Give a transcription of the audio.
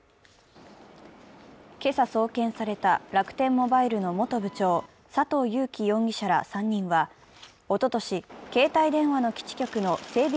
今朝送検された楽天モバイルの元部長・佐藤友紀容疑者ら３人はおととし、携帯電話の基地局の整備